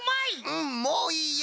うんもういいよ！